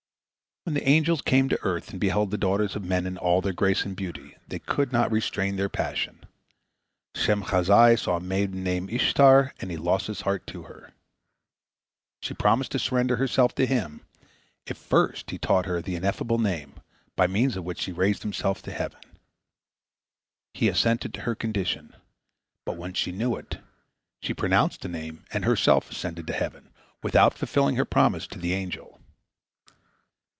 When the angels came to earth, and beheld the daughters of men in all their grace and beauty, they could not restrain their passion. Shemhazai saw a maiden named Istehar, and he lost his heart to her. She promised to surrender herself to him, if first he taught her the Ineffable Name, by means of which he raised himself to heaven. He assented to her condition. But once she knew it, she pronounced the Name, and herself ascended to heaven, without fulfilling her promise to the angel.